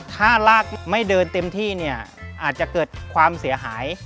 ถ้าลากไม่เดินเต็มที่เนี่ยอาจจะเกิดความเสียหาย